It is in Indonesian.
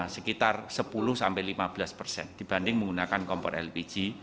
sekitar sepuluh lima belas persen dibanding menggunakan kompor lpg